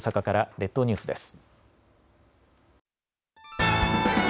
列島ニュースです。